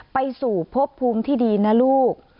ไปสู่พบภูมิที่ดีนะลูก